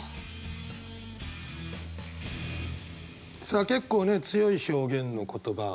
さあ結構ね強い表現の言葉。